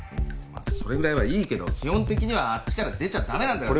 まあそれぐらいはいいけど基本的にはあっちから出ちゃ駄目なんだよ。